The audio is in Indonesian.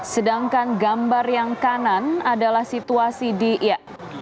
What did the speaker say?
sedangkan gambar yang kanan adalah situasi di ya